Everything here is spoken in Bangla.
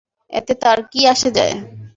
এতে তার কী আসে যায়?